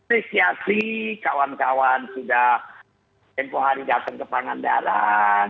presiasi kawan kawan sudah tempoh hari datang ke pangan darah